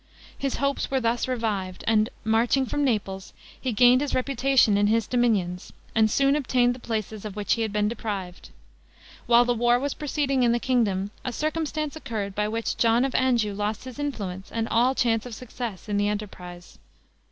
His hopes were thus revived; and, marching from Naples, he regained his reputation in his dominions, and soon obtained the places of which he had been deprived. While the war was proceeding in the kingdom, a circumstance occurred by which John of Anjou lost his influence, and all chance of success in the enterprise.